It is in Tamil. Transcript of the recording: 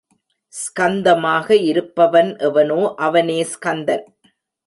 ஸ்கந்தமாக இருப்பவன் எவனோ அவனே ஸ்கந்தன்.